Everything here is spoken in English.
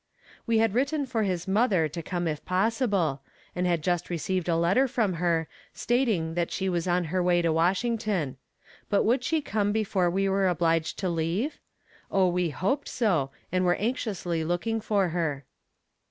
We had written for his mother to come if possible, and had just received a letter from her, stating that she was on her way to Washington; but would she come before we were obliged to leave? Oh, we hoped so, and were anxiously looking for her.